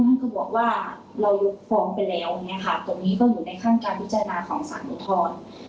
ท่านก็บอกว่าเรายกฟ้องไปแล้วอย่างนี้ค่ะตรงนี้ก็อยู่ในขั้นการพิจารณาของสารอุทธรณ์